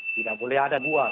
tidak boleh ada dua